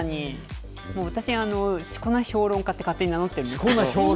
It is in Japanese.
もう私が、しこ名評論家と勝手に名乗ってるんですけど。